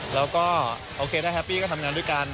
แล้วก็โอเคถ้าแฮปปี้ก็ทำงานด้วยกัน